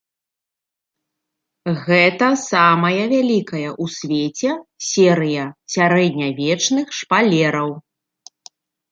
Гэта самая вялікая ў свеце серыя сярэднявечных шпалераў.